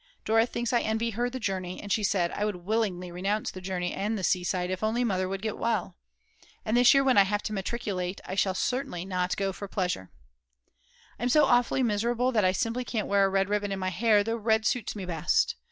Dora thinks I envy her the journey, and she said: "I would willingly renounce the journey and the seaside if only Mother would get well. And this year when I have to matriculate, I certainly should not go for pleasure." I'm so awfully miserable that I simply can't wear a red ribbon in my hair, though red suits me best.